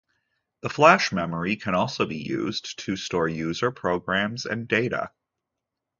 The Flash memory can also be used to store user programs and data.